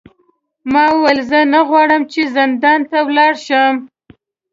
ما وویل زه نه غواړم چې زندان ته لاړ شم.